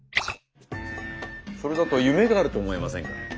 それだと夢があると思いませんか？